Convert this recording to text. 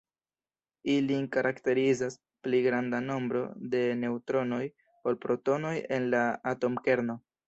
Ilin karakterizas pli granda nombro de neŭtronoj ol protonoj en la atomkerno.